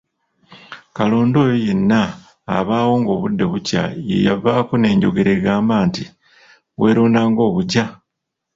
"Kalonda oyo yenna abaawo ng’obudde bukya yeeyavaako n’enjogera egamba nti, “weeronda ng’obukya!"